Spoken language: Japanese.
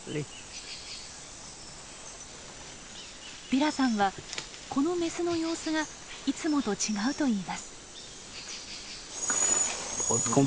ビラさんはこのメスの様子がいつもと違うと言います。